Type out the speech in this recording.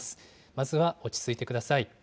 まずは落ち着いてください。